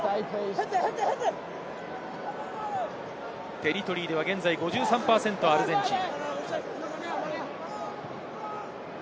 テリトリーでは現在５３％のアルゼンチン。